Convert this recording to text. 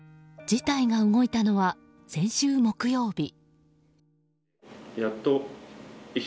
事態が動いたのは、先週木曜日。